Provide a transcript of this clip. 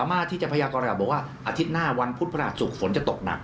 อาทิตย์หน้าวันพุธพระราชศูกษ์ฝนจะตกหนัก